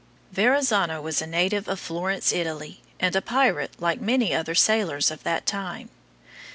Verrazzano was a native of Florence, Italy, and a pirate like many other sailors of that time.